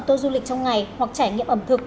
tô du lịch trong ngày hoặc trải nghiệm ẩm thực